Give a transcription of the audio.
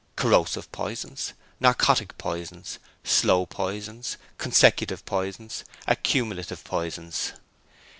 Corrosive Poisons. Narcotic Poisons. Slow Poisons. Consecutive Poisons. Accumulative Poisons.